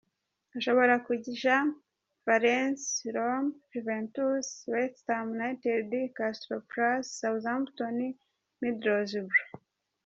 Ashobora kuja: Valence, Roma, Juventus, West Ham United, Crystal Palace, Southmpton, Middlesbrough.